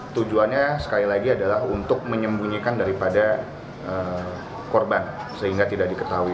tujuannya sekali lagi adalah untuk menyembunyikan daripada korban sehingga tidak diketahui